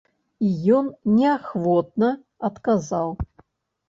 І ён неахвотна адказаў.